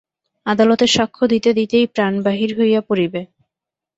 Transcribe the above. আদালতে সাক্ষ্য দিতে দিতেই প্রাণ বাহির হইয়া পড়িবে।